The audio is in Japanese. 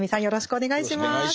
よろしくお願いします。